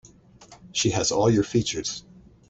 She has all your features.